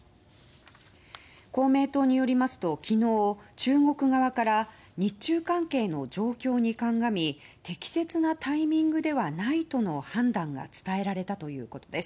公明党によりますと昨日、中国側から日中関係の状況に鑑み適切なタイミングではないとの判断が伝えられたということです。